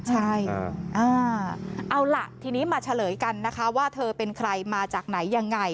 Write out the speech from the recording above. ใช่เอาล่ะทีนี้มาเฉลยกันนะคะว่าเธอเป็นใครมาจากไหนยังไง